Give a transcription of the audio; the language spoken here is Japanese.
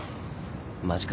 マジか。